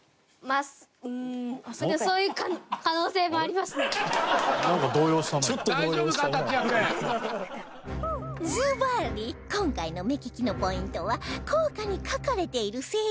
ずばり今回の目利きのポイントは硬貨に書かれている製造年